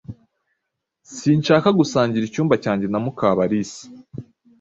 Sinshaka gusangira icyumba cyanjye na Mukabalisa.